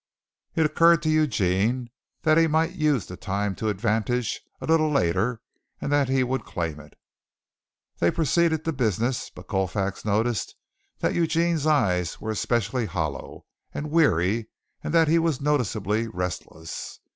It occurred to Eugene that he might use the time to advantage a little later and that he would claim it. They proceeded to business, but Colfax noticed that Eugene's eyes were specially hollow and weary and that he was noticeably restless.